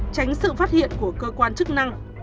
tránh sự phát hiện của cơ quan chức năng